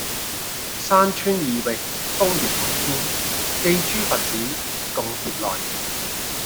山川異域，風月同天，寄諸佛子，共結來緣